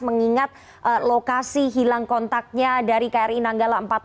mengingat lokasi hilang kontaknya dari kri nanggala